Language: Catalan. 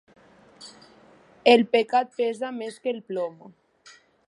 El pecat pesa més que el plom.